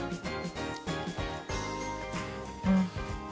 うん。